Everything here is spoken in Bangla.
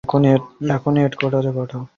এক্ষুনি হেড কোয়ার্টারে কোড ট্রমা মেসেজ পাঠাও!